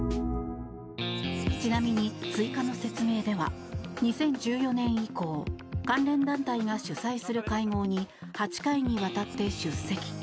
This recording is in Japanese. ちなみに、追加の説明では２０１４年以降関連団体が主催する会合に８回にわたって出席。